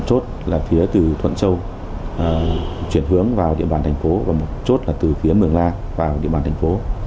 một chốt là phía từ thuận châu chuyển hướng vào địa bàn thành phố và một chốt là từ phía mường la vào địa bàn thành phố